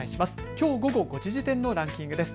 きょう午後５時時点のランキングです。